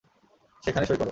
সেখানে সঁই করো।